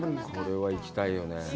これは行きたいよね。